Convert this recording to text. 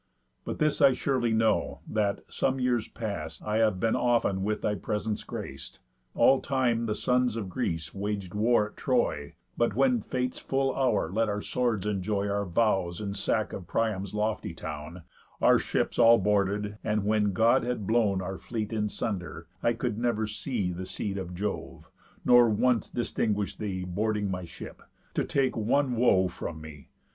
But this I surely know, that, some years past, I have been often with thy presence grac'd, All time the sons of Greece wag'd war at Troy; But when Fate's full hour let our swords enjoy Our vows in sack of Priam's lofty town, Our ships all boarded, and when God had blown Our fleet in sunder, I could never see The Seed of Jove, nor once distinguish thee Boarding my ship, to take one woe from me.